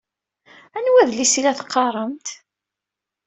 Anwa adlis i la teqqaṛemt?